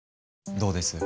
どうです？